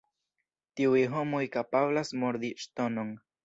Tiuj homoj kapablas mordi ŝtonon!